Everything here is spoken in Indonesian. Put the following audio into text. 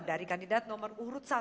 dari kandidat nomor urut satu